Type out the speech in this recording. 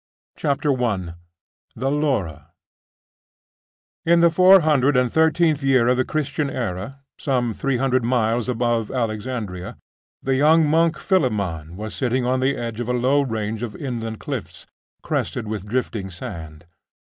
CHAPTER I: THE LAURA In the four hundred and thirteenth year of the Christian Era, some three hundred miles above Alexandria, the young monk Philammon was sitting on the edge of a low range of inland cliffs, crested with drifting sand.